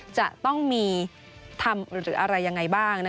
จะต้องมีทำหรืออะไรยังไงบ้าง